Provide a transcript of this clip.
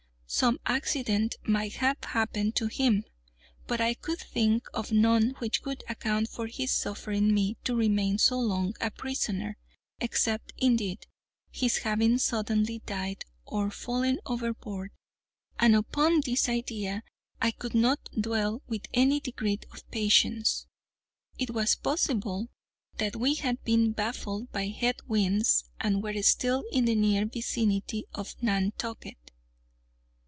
Some accident might have happened to him—but I could think of none which would account for his suffering me to remain so long a prisoner, except, indeed, his having suddenly died or fallen overboard, and upon this idea I could not dwell with any degree of patience. It was possible that we had been baffled by head winds, and were still in the near vicinity of Nantucket.